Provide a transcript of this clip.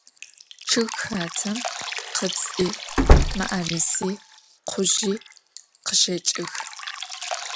Ççıgxatem khıpts'i, mı'erısi, khuzji khışeç'ıx.